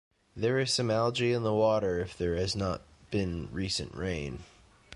There is some algae in the water if there has not been recent rain.